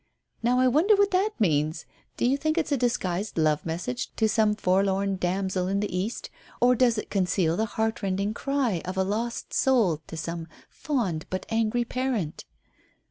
Now I wonder what that means? Do you think it's a disguised love message to some forlorn damsel in the east, or does it conceal the heartrending cry of a lost soul to some fond but angry parent?"